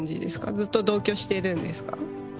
ずっと同居してるんですか？